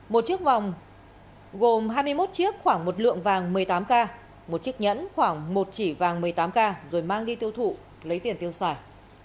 một chiếc vòng gồm hai mươi một chiếc khoảng một lượng vàng một mươi tám k một chiếc nhẫn khoảng một chỉ vàng một mươi tám k rồi mang đi tiêu thụ lấy tiền tiêu xài